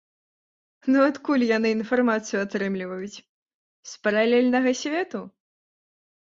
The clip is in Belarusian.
Ну адкуль яны інфармацыю атрымліваюць, з паралельнага свету?